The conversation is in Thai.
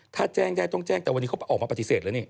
ถ้าแจ้งได้ต้องแจ้งแต่วันนี้เขาออกมาปฏิเสธแล้วนี่